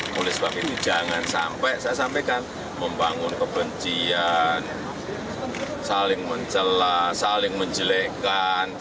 mulai sebab itu jangan sampai saya sampaikan membangun kebencian saling menjelaskan saling menjelekkan